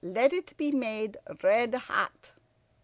Let it be made red hot."